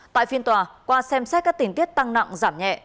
tại phiên tòa qua xem xét các tình tiết tăng nặng giảm nhẹ